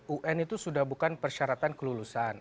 un itu sudah bukan persyaratan kelulusan